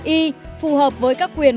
i phù hợp với các quyền